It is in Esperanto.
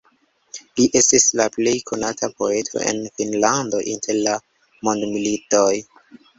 Li estis la plej konata poeto en Finnlando inter la mondmilitoj.